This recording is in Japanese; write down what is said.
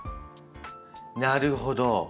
なるほど。